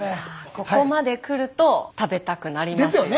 ここまでくると食べたくなりますよね。